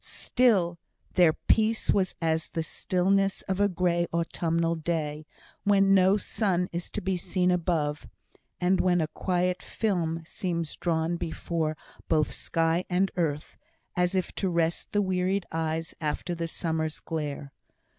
Still, their peace was as the stillness of a grey autumnal day, when no sun is to be seen above, and when a quiet film seems drawn before both sky and earth, as if to rest the wearied eyes after the summer's glare.